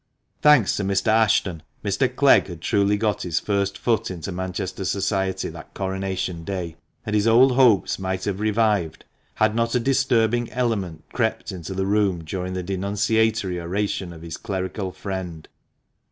Thanks to Mr. Ashton, Mr. Clegg had truly got his first foot into Manchester society that coronation day, and his old hopes might have revived, had not a disturbing element crept into the room during the denunciatory oration of his clerical friend.